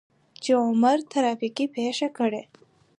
چې عمر ترافيکي پېښه کړى.